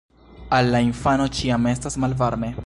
Al la infano ĉiam estas malvarme.